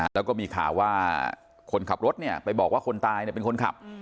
แล้วก็มีข่าวว่าคนขับรถไปบอกว่าคนตายเป็นคนขับ